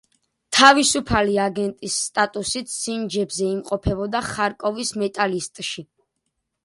თავისუფალი აგენტის სტატუსით, სინჯებზე იმყოფებოდა ხარკოვის „მეტალისტში“.